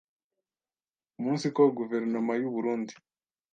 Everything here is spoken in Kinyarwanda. umunsiko Guverinoma y’u Burunndi